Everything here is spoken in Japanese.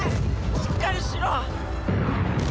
しっかりしろ！